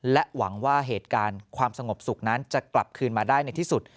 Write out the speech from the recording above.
และหวังว่าเหตุการณ์ความสงบสุขนั้นจะกลับคืนมาได้ในที่สุด